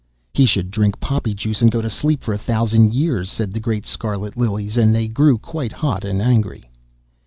'He should drink poppy juice, and go to sleep for a thousand years,' said the great scarlet Lilies, and they grew quite hot and angry.